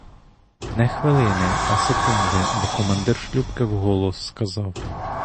Не хвилини, а секунди, бо командир шлюпки вголос сказав.